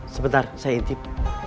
sebentar saya intip